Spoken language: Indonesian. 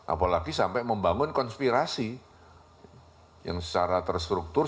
apalagi sampai membangun konspirasi yang secara terstruktur